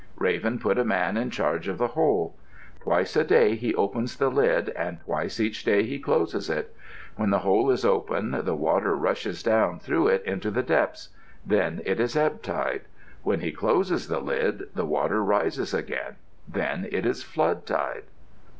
Raven put a man in charge of the hole. Twice a day he opens the lid and twice each day he closes it. When the hole is open the water rushes down through it into the depths; then it is ebb tide. When he closes the lid, the water rises again; then it is flood tide.